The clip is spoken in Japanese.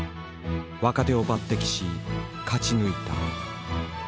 若手を抜てきし勝ち抜いた。